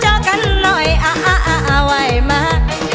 จอยกันหน่อยอ่ะไว้มา